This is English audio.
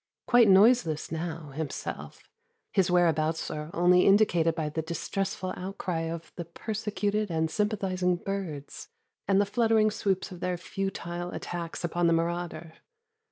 Quite noiseless now, himself, his whereabouts are only indicated by the distressful outcry of the persecuted and sympathizing birds and the fluttering swoops of their futile attacks upon the marauder.